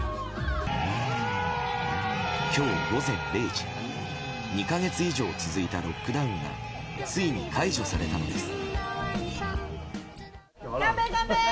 今日午前０時、２か月以上続いたロックダウンがついに解除されたのです。